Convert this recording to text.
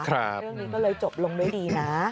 เรื่องนี้ก็เลยจบลงด้วยดีนะ